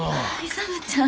勇ちゃん。